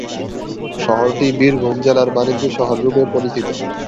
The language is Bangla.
শহরটি বীরভূম জেলার বাণিজ্য শহর রূপে পরিচিত।